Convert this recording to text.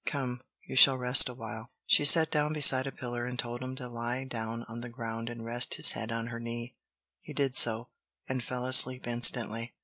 "Come, you shall rest a while." She sat down beside a pillar and told him to lie down on the ground and rest his head on her knee. He did so, and fell asleep instantly.